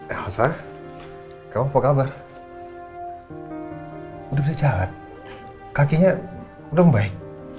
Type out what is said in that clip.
elsa kamu apa kabar udah bisa jahat kakinya udah membaik